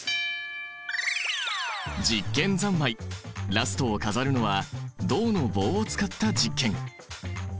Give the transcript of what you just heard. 実験三昧ラストを飾るのは銅の棒を使った実験！